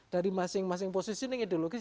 dari masing masing posisi ini ideologis